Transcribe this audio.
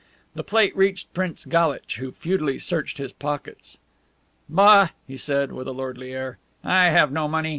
The plate reached Prince Galitch, who futilely searched his pockets. "Bah!" said he, with a lordly air, "I have no money.